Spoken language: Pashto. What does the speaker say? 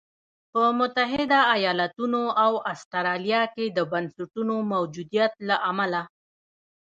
په متحده ایالتونو او اسټرالیا کې د بنسټونو موجودیت له امله.